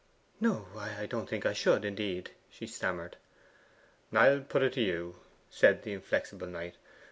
'No, I don't think I should, indeed,' she stammered. 'I'll put it to you,' said the inflexible Knight.